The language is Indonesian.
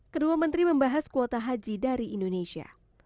kedua menteri membahas kuota haji dari indonesia